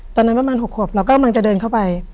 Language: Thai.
ตอนนั้นประมาณ๖ขวบเราก็กำลังจะเดินเข้าไป